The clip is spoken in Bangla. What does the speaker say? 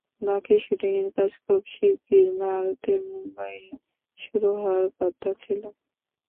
বাকি শুটিংয়ের কাজ খুব শিগগির ভারতের মুম্বাইয়ে শুরু হওয়ার কথা ছিল।